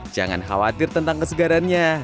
jangan khawatir tentang kesegarannya